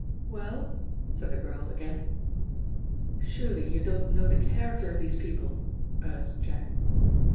"Well?" said the girl again. "Surely you don't know the character of these people?" urged Jack.